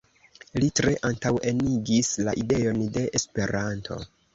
Li tre antaŭenigis la ideon de Esperanto.